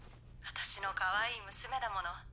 私のかわいい娘だもの。